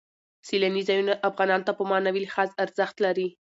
سیلاني ځایونه افغانانو ته په معنوي لحاظ ارزښت لري.